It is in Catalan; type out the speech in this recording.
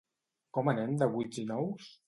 Com anem de vuits i nous?